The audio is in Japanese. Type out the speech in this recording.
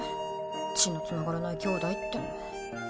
血のつながらない兄弟ってのも。